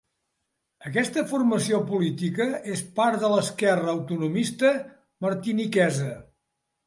Aquesta formació política és part de l'esquerra autonomista martiniquesa.